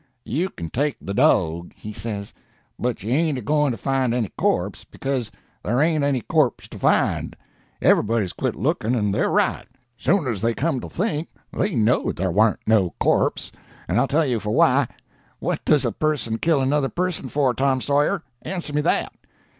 "You can take the dog," he says, "but you ain't a going to find any corpse, because there ain't any corpse to find. Everybody's quit looking, and they're right. Soon as they come to think, they knowed there warn't no corpse. And I'll tell you for why. What does a person kill another person for, Tom Sawyer?—answer me that."